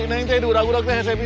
kau ini bisa menangin avvy istrinya